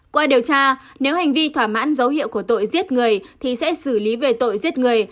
qua điều tra nếu hành vi thỏa mãn dấu hiệu của tội giết người thì sẽ xử lý về tội giết người